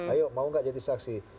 ayo mau gak jadi saksi